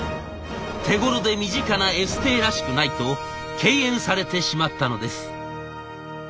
手ごろで身近なエステーらしくないと敬遠されてしまったのです。